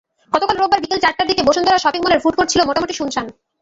গতকাল রোববার বিকেল চারটার দিকে বসুন্ধরা শপিং মলের ফুড কোর্ট ছিল মোটামুটি সুনসান।